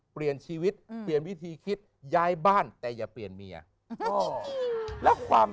เปลี่ยนชีวิตเปลี่ยนวิธีคิดย้ายบ้านแต่อย่าเปลี่ยนเมียและความ